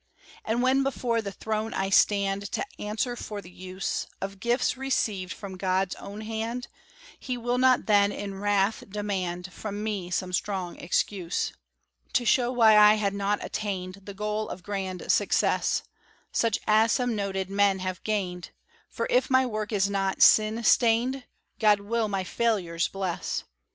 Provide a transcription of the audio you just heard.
And when before the throne I stand To answer for the use Of gifts received from God's own hand, He will not then, in wrath, demand From me some strong excuse, To show why I had not attained The goal of grand success, Such as some noted men have gained, For if my work is not sin stained God will my failures bless.